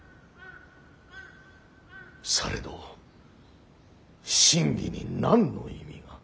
されど真偽に何の意味が。